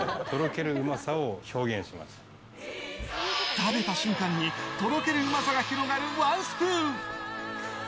食べた瞬間にとろけるうまさが広がるワンスプーン。